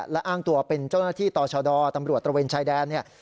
และอ้างตัวเป็นเจ้าหน้าที่ต่อชดตำรวจตระเวนชายแดนเนี่ย